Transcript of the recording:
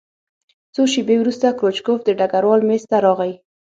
څو شېبې وروسته کروچکوف د ډګروال مېز ته راغی